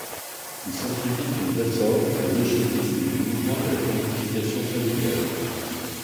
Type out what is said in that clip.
Il s'ensuivit une réforme de l’eugénisme et du mouvement de la planification familiale.